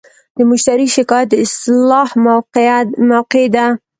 د مشتری شکایت د اصلاح موقعه ده.